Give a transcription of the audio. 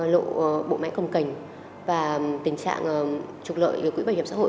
lộ bộ máy công cảnh và tình trạng trục lợi của quỹ bảo hiểm xã hội